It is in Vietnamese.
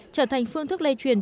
trở thành phương thức lây truyền